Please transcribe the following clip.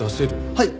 はい！